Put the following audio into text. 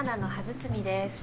包みです。